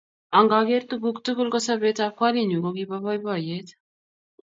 Angeker tuguuk tugul, kosobeetab kwaninyu kokibo boiboiyet.